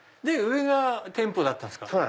で上が店舗だったんですか？